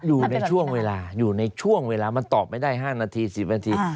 อยู่ในช่วงเวลาอยู่ในช่วงเวลามันตอบไม่ได้๕นาที๑๐นาที